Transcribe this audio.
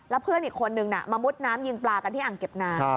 เพื่อนอีกคนนึงมามุดน้ำยิงปลากันที่อ่างเก็บน้ำ